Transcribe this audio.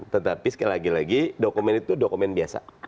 tetapi sekali lagi dokumen itu dokumen biasa